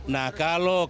nah kalau itu